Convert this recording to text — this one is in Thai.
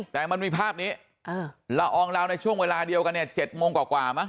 แต่มันมีภาพนี้ละอองลาวในช่วงเวลาเดียวกันเนี่ย๗โมงกว่ามั้